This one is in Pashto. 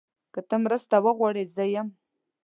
که ته مرسته غواړې، زه یم.